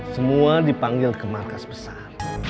semua dipanggil ke markas besar